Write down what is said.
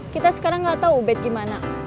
kita sekarang gak tau obet gimana